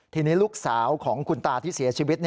ทีนี้ลูกสาวของคุณตาที่เสียชีวิต